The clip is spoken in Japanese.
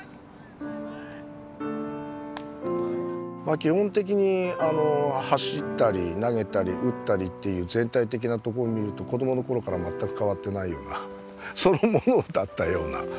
基本的に走ったり投げたり打ったりっていう全体的なところを見ると子どもの頃から全く変わってないようなそのものだったような。